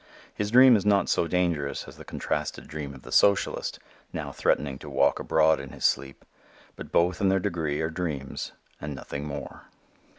His dream is not so dangerous as the contrasted dream of the socialist, now threatening to walk abroad in his sleep, but both in their degree are dreams and nothing more.